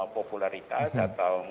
popularitas atau menariknya